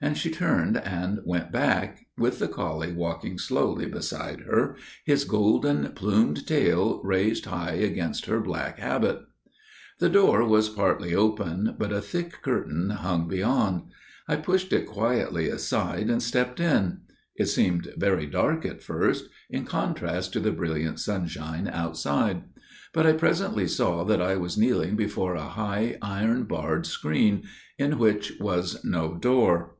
"And she turned and went back, with the collie walking slowly beside her, his golden plumed tail raised high against her black habit. "The door was partly open, but a thick curtain hung beyond. I pushed it quietly aside and stepped in. It seemed very dark at first, in contrast to the brilliant sunshine outside; but I presently saw that I was kneeling before a high iron barred screen, in which was no door.